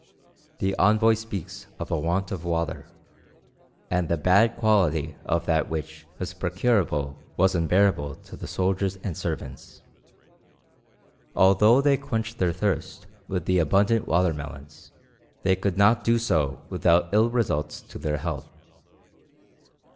The envoy speaks of the want of water, and the bad quality of that which was procurable was unbearable to the soldiers and servants. Although they quenched their thirst with the abundant water melons, they could not do so without ill results to their health.